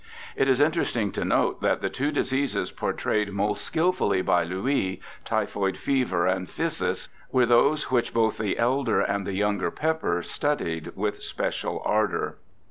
It is interesting to note that the two diseases portrayed most skilfully by Louis, typhoid fever and phthisis, were those which both the elder and the younger Pepper studied with special ardour.